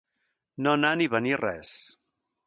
No anar ni venir res.